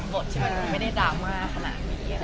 ที่มันไม่ได้ดราม่าขนาดนี้